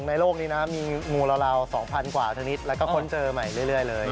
โลกนี้นะมีงูราว๒๐๐กว่าชนิดแล้วก็ค้นเจอใหม่เรื่อยเลย